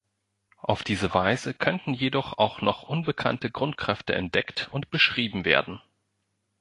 Auf diese Weise könnten jedoch auch noch unbekannte Grundkräfte entdeckt und beschrieben werden.